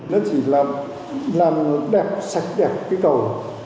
nó chỉ làm đẹp sạch đẹp cây cầu